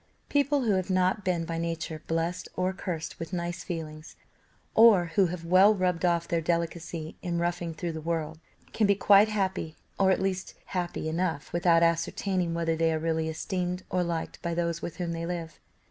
People who have not been by nature blessed or cursed with nice feelings, or who have well rubbed off their delicacy in roughing through the world, can be quite happy, or at least happy enough without ascertaining whether they are really esteemed or liked by those with whom they live.